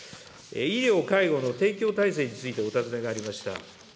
医療・介護の提供体制についてお尋ねがありました。